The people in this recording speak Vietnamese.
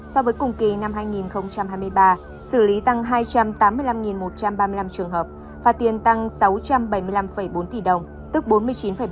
so với cùng kỳ năm hai nghìn hai mươi ba xử lý tăng hai trăm tám mươi năm một trăm ba mươi năm trường hợp phạt tiền tăng sáu trăm bảy mươi năm bốn tỷ đồng tức bốn mươi chín bảy